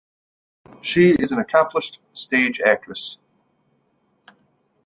She is an accomplished stage actress.